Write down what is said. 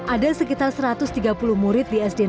ada segala hal yang terjadi di daerah ini